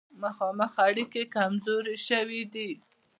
مخامخ اړیکې کمزورې شوې دي.